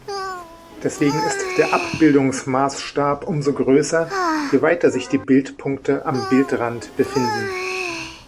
Deswegen ist der Abbildungsmaßstab umso größer, je weiter sich die Bildpunkte am Bildrand befinden.